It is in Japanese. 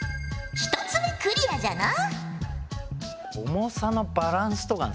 １つ目クリアじゃな。